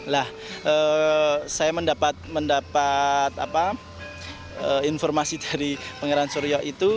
nah saya mendapat informasi dari pangeran suryo itu